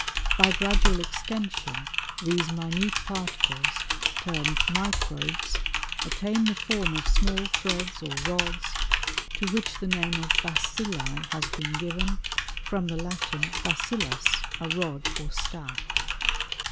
By gradual extension these minute particles, termed "microbes," attain the form of small threads or rods, to which the name of "bacilli" has been given, from the Latin bacillus, a rod or staff.